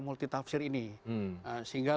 multi tafsir ini sehingga